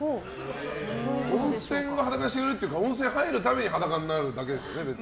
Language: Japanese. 温泉が裸にしてくれるっていうか温泉入るために裸になるだけですよね？